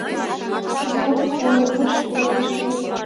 Вӱдлан кайымаш корныштет